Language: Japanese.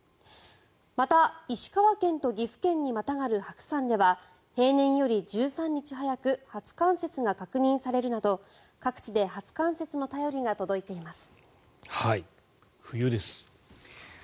また、石川県と岐阜県にまたがる白山では平年より１３日早く初冠雪が確認されるなど各地で初冠雪の便りが届いています。